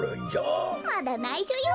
まだないしょよ。